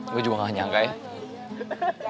gue juga gak nyangka ya